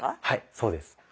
はいそうです。